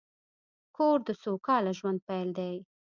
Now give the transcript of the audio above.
کور د سوکاله ژوند پیل دی.